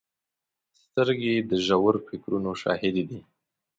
سترګې د ژور فکرونو شاهدې دي